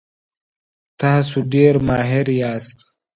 تاسو ډیر ماهر یاست.